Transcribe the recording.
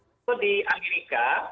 kalau di amerika